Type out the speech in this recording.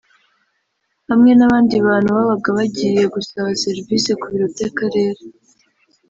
hamwe n’abandi bantu babaga bagiye gusaba serivisi ku biro by’Akarere